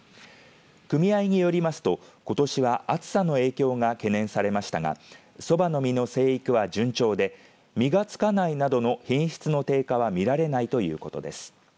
組合によりますと、ことしは暑さの影響が懸念されましたがそばの実の生育は順調で実がつかないなどの品質の低下は見られないということです。